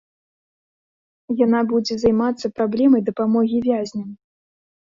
Яна будзе займацца праблемай дапамогі вязням.